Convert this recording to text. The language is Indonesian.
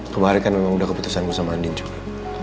kemarin kan memang udah keputusan gue sama andien juga